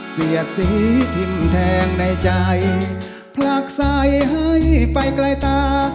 เสียดสีพิมพ์แทงในใจผลักใส่ให้ไปไกลตา